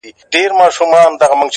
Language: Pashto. څه یې مسجد دی څه یې آذان دی ـ